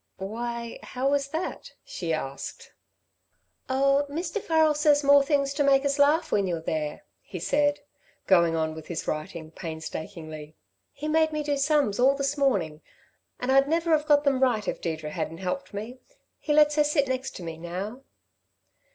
"Why, how was that?" she asked. "Oh, Mr. Farrel says more things to make us laugh when you're there," he said, going on with his writing, painstakingly. "He made me do sums all this morning, and I'd never have got them right if Deirdre hadn't helped me. He lets her sit next me, now."